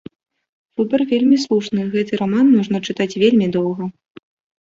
Выбар вельмі слушны, гэты раман можна чытаць вельмі доўга.